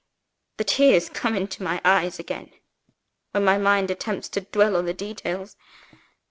The tears come into my eyes again, when my mind attempts to dwell on the details.